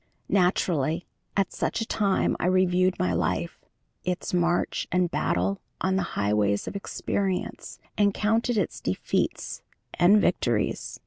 Naturally at such a time I reviewed my life, its march and battle on the highways of experience, and counted its defeats and victories.